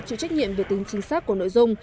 chịu trách nhiệm về tính chính xác của nội dung